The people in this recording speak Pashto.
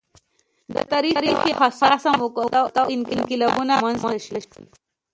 د تاریخ یوه حساسه مقطعه او انقلابونه رامنځته شي.